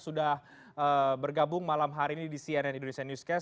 sudah bergabung malam hari ini di cnn indonesia newscast